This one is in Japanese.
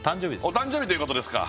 お誕生日ということですか